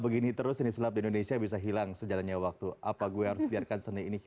begini terus ini sebab di indonesia bisa hilang sejalannya waktu apa gue harus biarkan seni ini